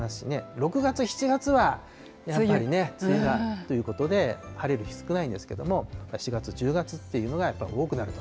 ６月、７月は、やっぱりね、梅雨だということで、晴れる日少ないんですけれども、４月、１０月っていうのがやっぱり多くなると。